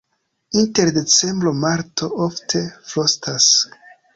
Inter decembro-marto ofte frostas.